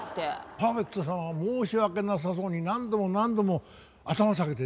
パーフェクトさんは申し訳なさそうに何度も何度も頭下げて出ていきましたねえ。